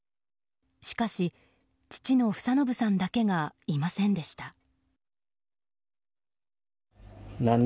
しかし、父の房信さんだけがいませんでした。